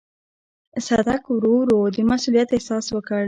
صدک ورو ورو د مسووليت احساس وکړ.